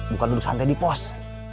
bukan duduk santai di pos